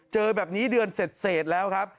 เจอแบบนี้เดือนเสร็จแล้วครับ